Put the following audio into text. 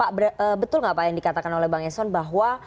pak betul nggak pak yang dikatakan oleh bang eson bahwa